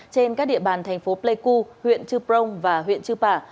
trên các địa bàn thành phố pleiku huyện chư prong và huyện chư pả